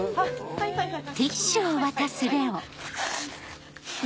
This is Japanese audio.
はいはいはい。